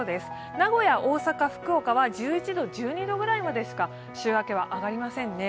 名古屋、大阪、福岡は１１度、１２度くらいしか週明けは上がりませんね。